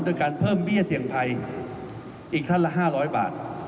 โดยการเพิ่มเบี้ยเสี่ยงภัยอีกท่านละ๕๐๐บาท